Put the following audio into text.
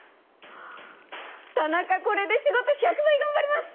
田中これで仕事１００倍頑張れます！